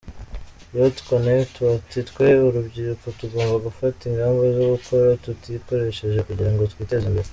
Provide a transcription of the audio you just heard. Youtconnekt bati “twe urubyiruko tugomba gufata ingamba zo gukora tutikoresheje, kugira ngo twiteze imbere.